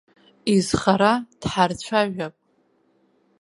Изхара дҳарцәажәап.